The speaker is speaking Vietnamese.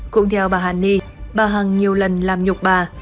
cũng theo bà hàn ni bà hằng nhiều lần làm nhục bà